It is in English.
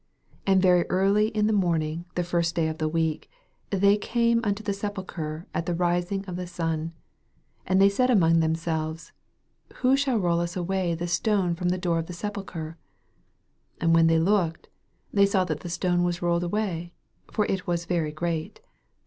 2 And very early in the morning the first day of the week, they came unto the sepulchre at the rising of the sun. 3 And they said among themselves, Who shall roll us away the stone from ths door of the sepulchre? 4 And when they looked, they saw that the stone was rolled away : for it was very great.